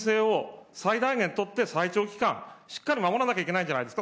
安全性を最大限とって最長期間、しっかり守らなきゃいけないんじゃないですか。